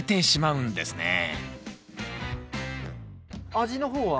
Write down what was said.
味の方は？